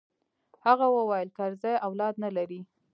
هغه وويل کرزى اولاد نه لري.